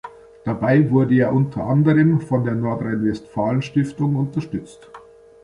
Dabei wurde er unter anderem von der Nordrhein-Westfalen-Stiftung unterstützt.